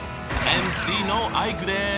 ＭＣのアイクです！